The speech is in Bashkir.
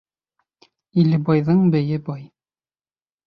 Иле байҙың бейе бай.